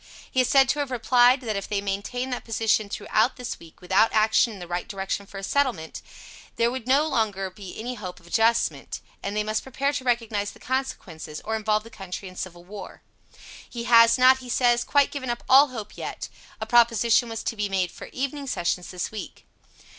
He is said to have replied, that if they maintained that position through this wee, without action in the right direction for a settlement, there would no longer of any hope of adjustment, and they must prepare to recognize the consequences, or involve the country in civil war. He has not, he says, quite given up all hope yet. A proposition was to be made for evening sessions this week.